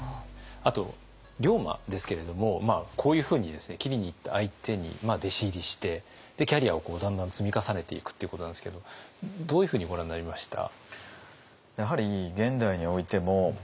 あと龍馬ですけれどもこういうふうに斬りにいった相手に弟子入りしてキャリアをだんだん積み重ねていくっていうことなんですけどどういうふうにご覧になりました？